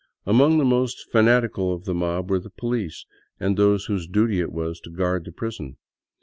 Among the most fanatical of the mob were the police and those whose duty it was to guard the prison.